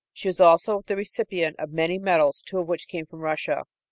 She was also the recipient of many medals, two of which came from Russia.